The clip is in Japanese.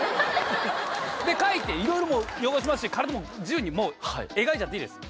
で書いていろいろ汚しますし体も自由に描いちゃっていいです。